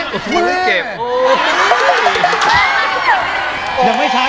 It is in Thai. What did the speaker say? โห้ยโห้ย